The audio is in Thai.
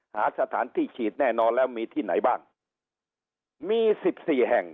หาสถานที่ฉีดแน่นอนแล้วมีที่ไหนบ้างมีสิบสี่แห่ง